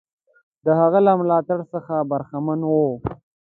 د هغه له ملاتړ څخه برخمن وو.